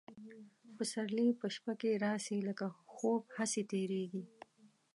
پسرلي په شپه کي راسي لکه خوب هسي تیریږي